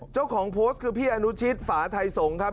เจ้าของโพสต์คือพี่อนุชิตฝาไทยสงศ์ครับ